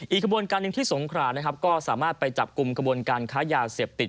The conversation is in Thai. กระบวนการหนึ่งที่สงขรานะครับก็สามารถไปจับกลุ่มกระบวนการค้ายาเสพติด